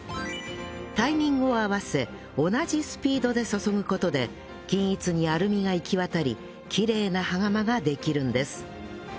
タイミングを合わせ同じスピードで注ぐ事で均一にアルミが行き渡りきれいな羽釜ができるんです